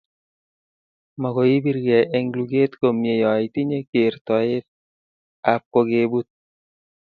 Makoi ibirkei eng lukeet komye yeoitinye kertoet ab kokebut